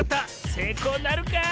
せいこうなるか？